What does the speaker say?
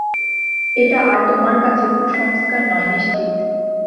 এটা আর তোমার কাছে কুসংস্কার নয় নিশ্চিত।